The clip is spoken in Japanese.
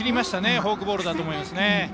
フォークボールだと思います。